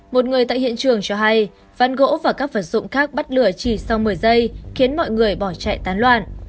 một người tại hiện trường cho hay văn gỗ và các vật dụng khác bắt lửa chỉ sau một mươi giây khiến mọi người bỏ chạy tán loạn